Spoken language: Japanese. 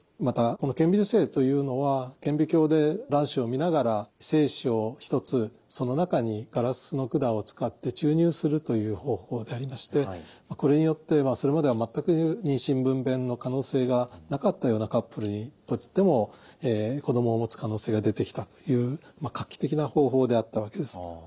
またこの顕微授精というのは顕微鏡で卵子を見ながら精子を１つその中にガラスの管を使って注入するという方法でありましてこれによってそれまでは全く妊娠分娩の可能性がなかったようなカップルにとっても子どもをもつ可能性が出てきたという画期的な方法であったわけです。